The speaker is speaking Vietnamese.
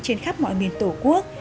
trên khắp mọi miền tổ quốc